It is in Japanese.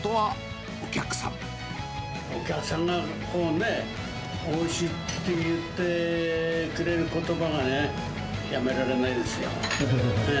お客さんが、こうね、おいしいって言ってくれることばがね、やめられないですよ。